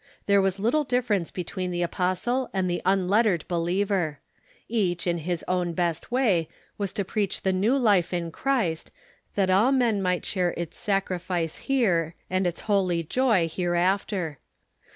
There was little differ ence between the apostle and the unlettered believer. Each, in his own best way, was to preach the new life in Christ, that all men might share its sacrifice here and its holy joy here after.